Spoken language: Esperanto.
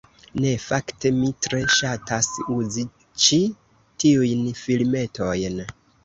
Ne, fakte, mi tre ŝatas uzi ĉi tiujn filmetojn